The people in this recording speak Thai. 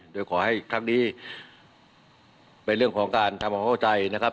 โดยขอให้ครั้งนี้เป็นเรื่องของการทำความเข้าใจนะครับ